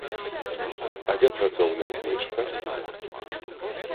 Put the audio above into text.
А дзе працоўная кніжка?